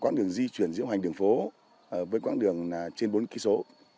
quảng đường di chuyển diễu hành đường phố với quảng đường trên bốn kỳ số